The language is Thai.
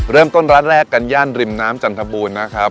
เริ่มต้นร้านแรกกันย่านริมน้ำจันทบูรณ์นะครับ